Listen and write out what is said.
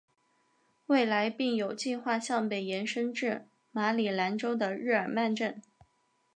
未来并有计画向北延伸至马里兰州的日耳曼镇。